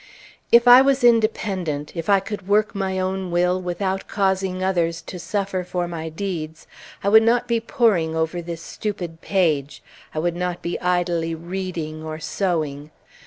If I was independent, if I could work my own will without causing others to suffer for my deeds, I would not be poring over this stupid page; I would not be idly reading or sewing.